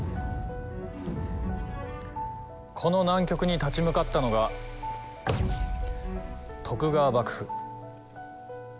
この難局に立ち向かったのが徳川幕府。